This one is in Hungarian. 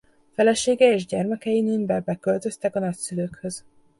Felesége és gyermekei Nürnbergbe költöztek a nagyszülőkhöz.